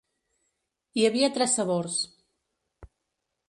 Hi havia tres sabors.